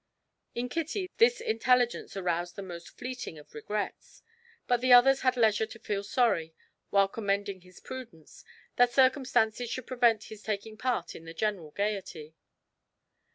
In Kitty, this intelligence aroused the most fleeting of regrets, but the others had leisure to feel sorry, while commending his prudence, that circumstances should prevent his taking part in the general gaiety.